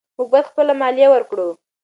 موږ باید خپله مالیه ورکړو.